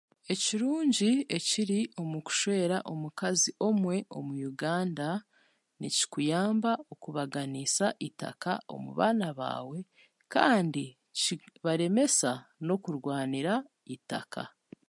Ekirungi ekiri omu kushwera omukazi omwe omu Uganda nikikuyamba okubaganiisa eitaka omu baana baawe kandi nikibaremesa n'okurwanira eitaka.